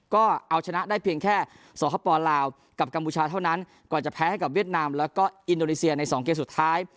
ก็เอาชนะได้เพียงแค่สคปลาวกับกัมพูชาเท่านั้นก่อนจะแพ้ให้กับเวียดนามแล้วก็อินโดนีเซียในสองเกมสุดท้าย